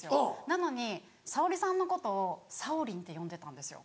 なのに沙保里さんのことをさおりんって呼んでたんですよ。